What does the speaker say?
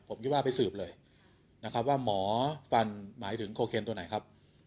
ผมคิดว่าไปสืบเลยนะครับว่าหมอฟันหมายถึงโคเคนตัวไหนครับ